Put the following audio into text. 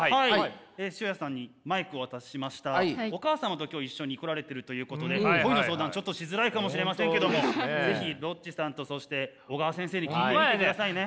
お母様と今日一緒に来られてるということで恋の相談ちょっとしづらいかもしれませんけども是非ロッチさんとそして小川先生に聞いてみてくださいね。